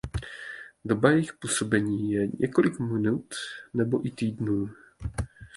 Doba jejich působení je několik minut nebo i týdnů.